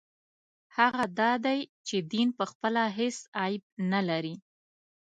هغه دا دی چې دین پخپله هېڅ عیب نه لري.